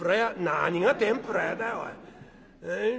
「何が天ぷら屋だよおい。